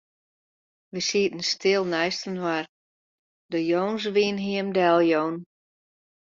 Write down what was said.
Wy sieten stil neistinoar, de jûnswyn hie him deljûn.